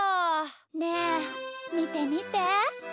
ねえみてみて！